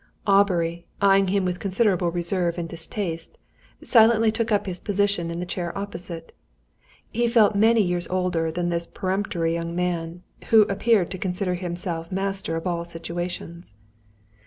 Aubrey, eyeing him with considerable reserve and distaste, silently took up his position in the chair opposite. He felt many years older than this peremptory young man, who appeared to consider himself master of all situations.